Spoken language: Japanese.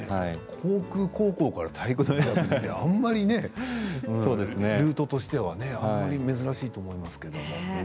航空高校から体育大学ってあまりルートとしてはね珍しいと思いますけれども。